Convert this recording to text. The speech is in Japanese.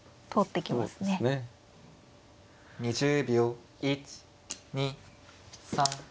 ２０秒。